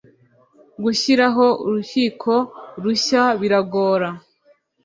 gushyiraho urukiko rushya biragora